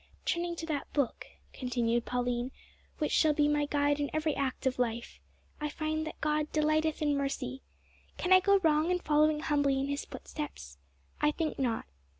"Turning to that Book," continued Pauline, "which shall be my guide in every act of life, I find that God `delighteth in mercy.' Can I go wrong in following humbly in His footsteps? I think not.